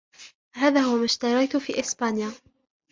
هذا هو ما اشتريت في إسبانيا.